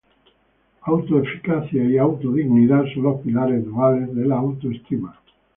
Auto eficacia y auto dignidad son los pilares duales de la autoestima.